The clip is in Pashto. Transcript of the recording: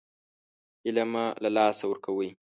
هیله مه له لاسه ورکوئ